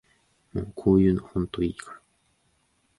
もうこういうのほんといいから